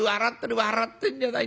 笑ってんじゃない。